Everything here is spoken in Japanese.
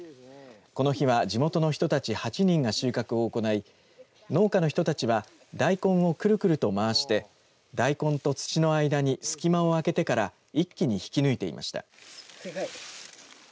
この日は、地元の人たち８人が収穫を行い農家の人たちは大根をくるくるとまわして大根と土の間に隙間を空けてから一気に引き抜いていました。